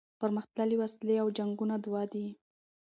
پرمختللي وسلې او جنګونه دوه دي.